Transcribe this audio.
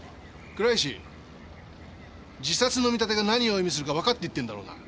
倉石自殺の見立てが何を意味するかわかって言ってんだろうな。